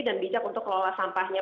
dan bijak untuk kelola sampahnya